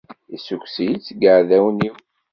Issukkus-iyi-d seg yiɛdawen-iw.